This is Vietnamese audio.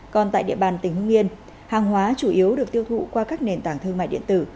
còn tại địa bàn tỉnh hương yên hàng hóa chủ yếu được tiêu thụ qua các nền tảng thương mại điện tử